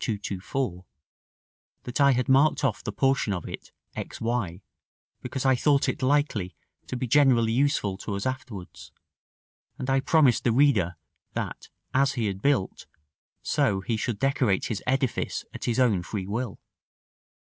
224, that I had marked off the portion of it, x y, because I thought it likely to be generally useful to us afterwards; and I promised the reader that as he had built, so he should decorate his edifice at his own free will.